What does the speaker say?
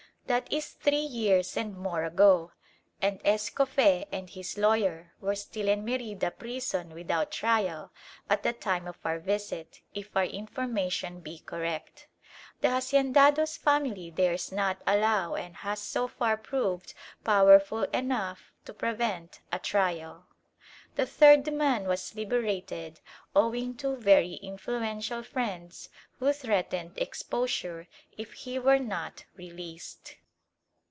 That is three years and more ago, and Escofee and his lawyer were still in Merida prison without trial at the time of our visit, if our information be correct. The haciendado's family dares not allow, and has so far proved powerful enough to prevent, a trial. The third man was liberated owing to very influential friends who threatened exposure if he were not released.